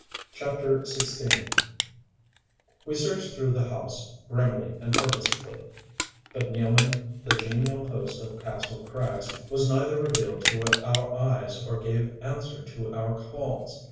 CHAPTER XVI We searched through the house, grimly and purposefully; but Nealman, the genial host of Kastle Krags, was neither revealed to our eyes or gave answer to our calls.